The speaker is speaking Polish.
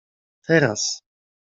Teraz.